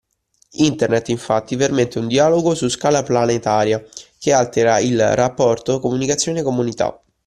Internet infatti permette un dialogo su scala planetaria che altera il rapporto comunicazione/comunità